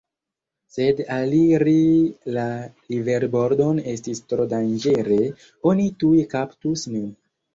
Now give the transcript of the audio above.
Sed aliri la riverbordon estis tro danĝere, oni tuj kaptus nin.